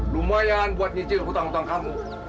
lumayan buat nyicil hutang hutang kamu